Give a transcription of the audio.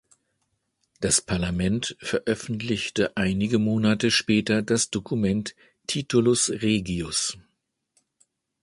Das Parlament veröffentlichte einige Monate später das Dokument Titulus Regius.